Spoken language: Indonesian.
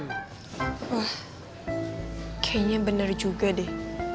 wah kayaknya benar juga deh